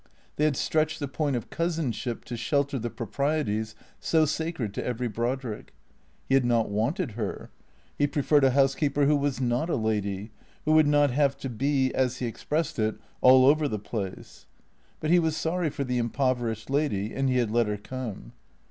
They had stretched the point of cousinship to shelter the proprieties so sacred to every Brodrick. He had not wanted her. He preferred a housekeeper who was not a lady, who would not have to be, as he expressed it, all over the place. But he was sorry for the impoverished lady and he had let her come.